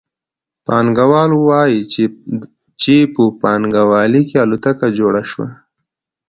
پانګوال وايي چې په پانګوالي کې الوتکه جوړه شوه